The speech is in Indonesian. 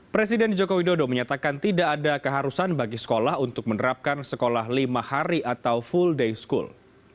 presiden joko widodo menyatakan tidak ada keharusan bagi sekolah untuk menerapkan sekolah lima hari atau full day school